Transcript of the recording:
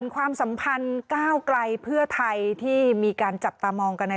ความสัมพันธ์ก้าวไกลเพื่อไทยที่มีการจับตามองกันใน